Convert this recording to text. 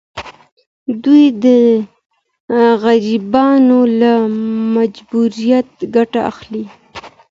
دوی د غریبانو له مجبوریت ګټه اخلي.